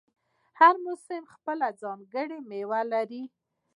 هر موسم خپله ځانګړې میوه لري.